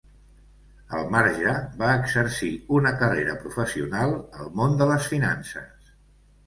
Al marge, va exercir una carrera professional al món de les finances.